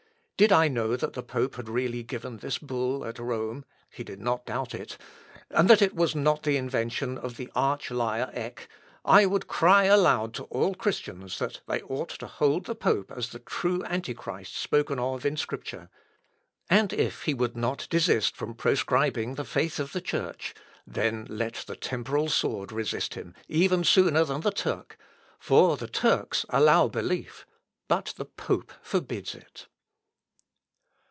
Did I know that the pope had really given this bull at Rome," (he did not doubt it,) "and that it was not the invention of the arch liar, Eck, I would cry aloud to all Christians that they ought to hold the pope as the true Antichrist spoken of in Scripture. And if he would not desist from proscribing the faith of the Church, ... then let the temporal sword resist him even sooner than the Turk!... For the Turks allow belief, but the pope forbids it."